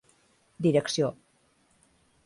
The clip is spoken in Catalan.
Direcció: